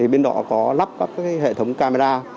bên đó có lắp các hệ thống camera